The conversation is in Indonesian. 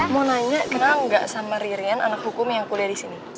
mau nanya kenal nggak sama ririn anak hukum yang kuliah disini